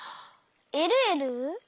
えるえる！